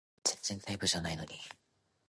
全然タイプじゃないのに